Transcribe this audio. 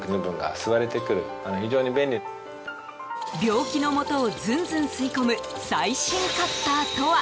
病気の元をずんずん吸い込む最新カッターとは？